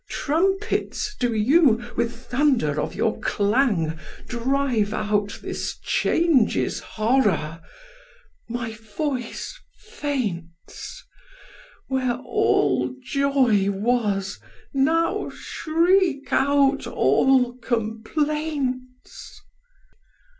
Trumpets, do you, with thunder of your clange, Drive out this change's horror! My voice faints: Where all joy was, now shriek out all complaints!"